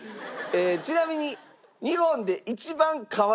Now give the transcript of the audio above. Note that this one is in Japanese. ちなみに。